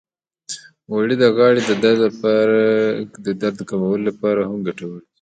غوړې د غاړې د درد کمولو لپاره هم ګټورې دي.